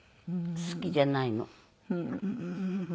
好きじゃないの。ふーん。